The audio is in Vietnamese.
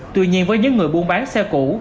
tuy nhiên với những người buôn bán xe cũ